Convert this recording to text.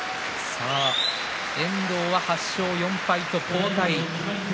遠藤は８勝４敗と後退。